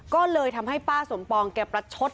ก็เลยทำให้ป้าสมปองแกประชด